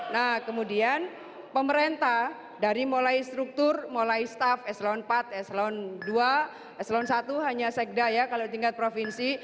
nah kemudian pemerintah dari mulai struktur mulai staff eselon empat eselon dua eselon satu hanya sekda ya kalau tingkat provinsi